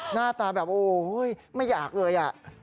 หน้าตาแบบโหไม่อยากเลยนะคุณ